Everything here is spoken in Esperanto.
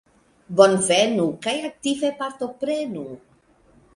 Bonvenu kaj aktive partoprenu!